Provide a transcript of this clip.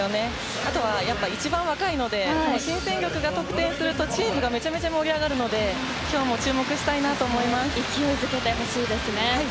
あとは、一番若いので新戦力が得点するとチームが盛り上がるので勢いづけてほしいですね。